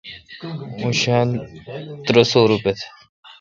اوں شالہ ترہ سوروپے°